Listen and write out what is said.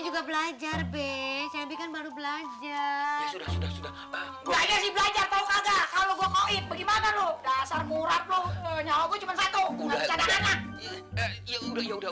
juga belajar bebel belajar kalau gimana lu dasar murad lu nyawa cuma satu udah ya udah